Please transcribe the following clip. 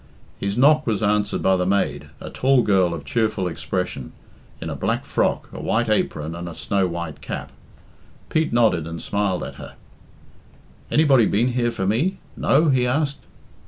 His knock was answered by the maid, a tall girl of cheerful expression, in a black frock, a white apron, and a snow white cap. Pete nodded and smiled at her. "Anybody been here for me? No?" he asked.